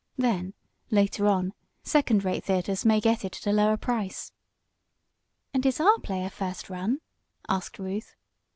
Then, later on, second rate theaters may get it at a lower price." "And is our play a 'first run'?" asked Ruth.